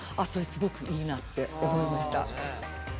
すごくいいなって思いました。